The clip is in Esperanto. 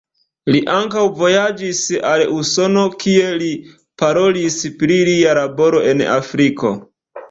Li ankaŭ vojaĝis al Usono, kie li parolis pri lia laboro en Afriko.